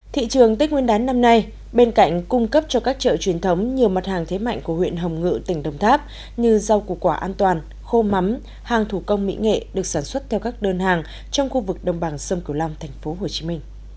thị trường tết nguyên đán năm nay bên cạnh cung cấp cho các chợ truyền thống nhiều mặt hàng thế mạnh của huyện hồng ngự tỉnh đồng tháp như rau củ quả an toàn khô mắm hàng thủ công mỹ nghệ được sản xuất theo các đơn hàng trong khu vực đồng bằng sông cửu long tp hcm